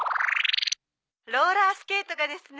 ローラースケートがですね。